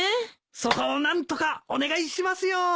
そこを何とかお願いしますよ！